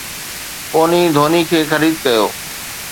پوني ڌوني کي خريد ڪيو